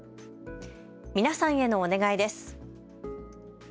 皆さんへのお願いです。